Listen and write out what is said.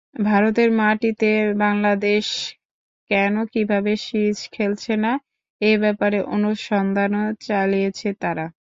ভারতের মাটিতে বাংলাদেশ কেন কোনো সিরিজ খেলছে না—এ ব্যাপারে অনুসন্ধানও চালিয়েছে তারা।